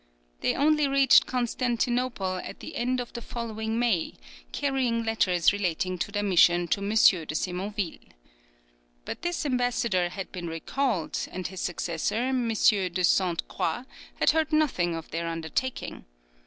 They only reached Constantinople at the end of the following May, carrying letters relating to their mission to M. de Semonville. But this ambassador had been recalled, and his successor, M. de Sainte Croix had heard nothing of their undertaking.